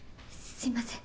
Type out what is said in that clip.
すいません。